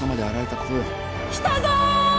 来たぞ！